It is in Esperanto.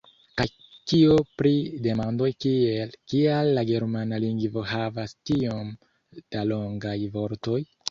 Kaj kio pri demandoj kiel Kial la germana lingvo havas tiom da longaj vortoj?